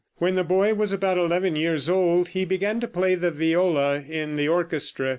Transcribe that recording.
When the boy was about eleven years old he began to play the viola in the orchestra.